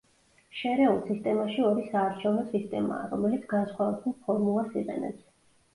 შერეულ სისტემაში ორი საარჩევნო სისტემაა, რომელიც განსხვავებულ ფორმულას იყენებს.